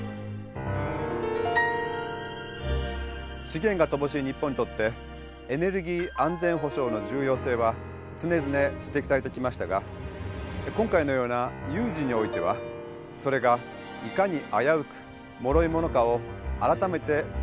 資源が乏しい日本にとってエネルギー安全保障の重要性は常々指摘されてきましたが今回のような有事においてはそれがいかに危うくもろいものかを改めて痛切に感じます。